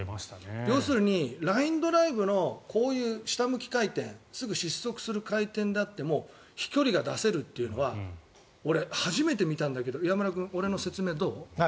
要するにラインドライブの下向き回転すぐ失速する回転であっても飛距離が出せるというのは俺、初めて見たんだけど岩村君、俺の説明どう？